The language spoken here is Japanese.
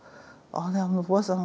あのおばあさん